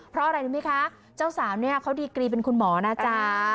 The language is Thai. เพราะอะไรรู้ไหมคะเจ้าสาวเนี่ยเขาดีกรีเป็นคุณหมอนะจ๊ะ